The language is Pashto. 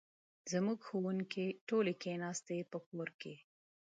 زموږ ښوونکې ټولې کښېناستي په کور کې